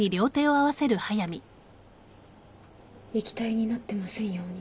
液体になってませんように。